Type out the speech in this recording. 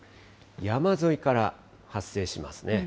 山沿いから発生しますね。